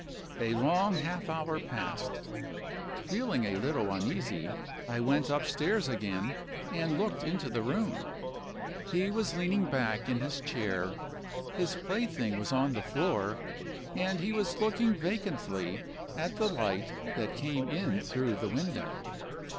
"A long half hour passed. Feeling a little uneasy, I went upstairs again and looked into the room. He was leaning back in his chair; his plaything was on the floor, and he was looking vacantly at the light that came in through the window.